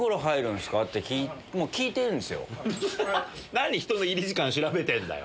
何人の入り時間調べてんだよ！